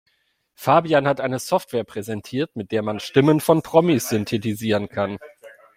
Fabian hat eine Software präsentiert, mit der man Stimmen von Promis synthetisieren kann.